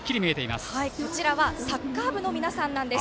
こちらはサッカー部の皆さんです。